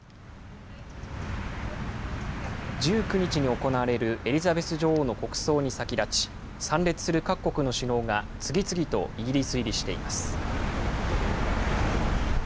１９日に行われるエリザベス女王の国葬に先立ち、参列する各国の首脳が次々とイギリス入りしています。